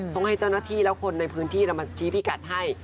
ต้องให้เจ้าหน้าที่แล้วคนในพื้นที่เรามาชี้พิกัดให้